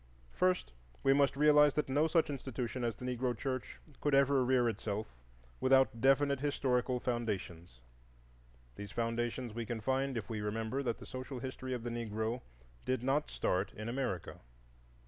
First, we must realize that no such institution as the Negro church could rear itself without definite historical foundations. These foundations we can find if we remember that the social history of the Negro did not start in America.